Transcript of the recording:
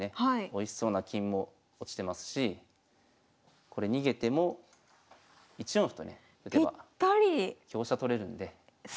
おいしそうな金も落ちてますしこれ逃げても１四歩とね打てば香車取れるんで。